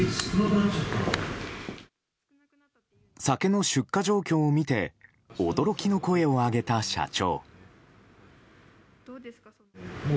酒の出荷状況を見て驚きの声を上げた社長。